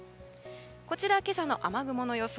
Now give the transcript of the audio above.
こちら、今朝の雨雲の予想。